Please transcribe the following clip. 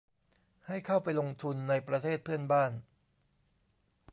ให้เข้าไปลงทุนในประเทศเพื่อนบ้าน